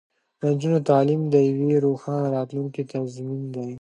د نجونو تعلیم د یوې روښانه راتلونکې تضمین دی.